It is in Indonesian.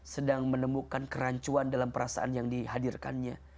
sedang menemukan kerancuan dalam perasaan yang dihadirkannya